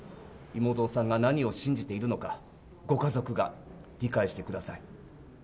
妹さんが何を信じているのか、ご家族が理解してください。